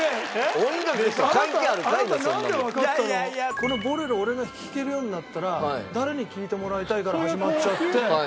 この『ボレロ』を俺が弾けるようになったら誰に聴いてもらいたい？から始まっちゃって。